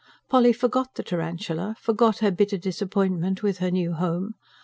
Polly forgot the tarantula, forgot her bitter disappointment with her new home.